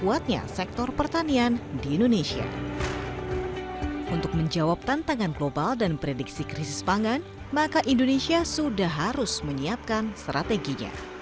untuk menjawab tantangan global dan prediksi krisis pangan maka indonesia sudah harus menyiapkan strateginya